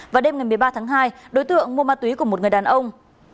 và đêm ngày một mươi ba tháng hai đối tượng mua ma túy của một người đàn ông